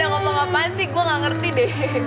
lo pada ngomong apaan sih gue gak ngerti deh